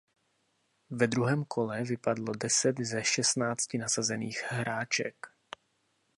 Ve druhém kole vypadlo deset ze šestnácti nasazených hráček.